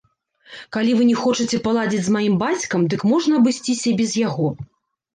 Калі вы не хочаце паладзіць з маім бацькам, дык можна абысціся і без яго.